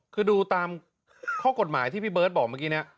คือดูตามข้อกฎหมายที่พี่เบิร์ตบอกเมื่อกี้เนี่ย